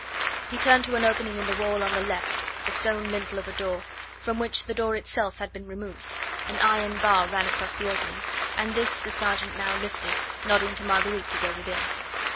He turned to an opening in the wall on the left, the stone lintel of a door, from which the door itself had been removed; an iron bar ran across the opening, and this the sergeant now lifted, nodding to Marguerite to go within.